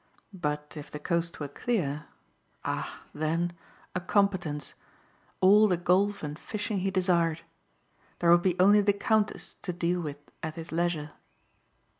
But if the coast were clear ah, then, a competence, all the golf and fishing he desired. There would be only the Countess to deal with at his leisure.